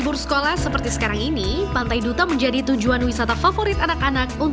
bahkan jika beruntung wisatawan bisa melihat hiu tutul dan lumba lumba yang sedang mencari makan